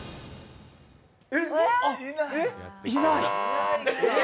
あっ、いない。